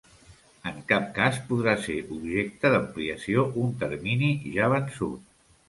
En cap cas podrà ser objecte d'ampliació un termini ja vençut.